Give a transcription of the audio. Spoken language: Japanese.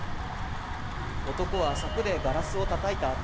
男は柵でガラスをたたいた